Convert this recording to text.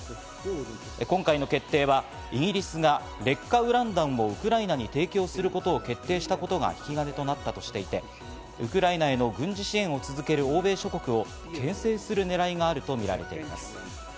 今回の決定はイギリスが劣化ウラン弾をウクライナに提供することを決定したことが引き金になったとしていて、ウクライナへの軍事支援を続ける欧米諸国をけん制するねらいがあるとみられています。